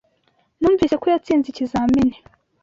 Numvise ko yatsinze ikizamini.